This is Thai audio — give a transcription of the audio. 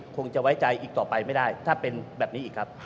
คงจะไว้ใจอีกต่อไปไม่ได้ถ้าเป็นแบบนี้อีกครับ